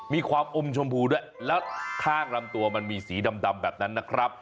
มีความอมชมพูด้วยแล้วข้างลำตัวมันมีสีดำแบบนั้นนะครับ